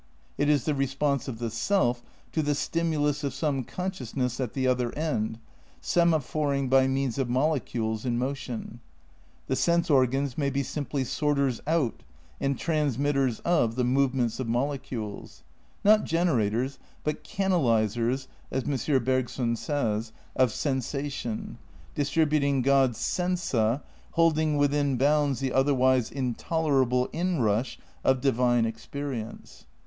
It is the response of the self to the stimulus of some consciousness "at the other end," semaphor ing by means of molecules in motion. The sense or gans may be simply sorters out, and transmitters of the movements of molecules ; not generators, but canal isers (as M. Bergson says) of sensation, distributing God's semsa, holding within bounds the otherwise in tolerable inrush of divine experience.